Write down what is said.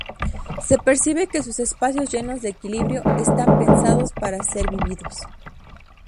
Se percibe que sus espacios llenos de equilibrio están pensados para ser vividos.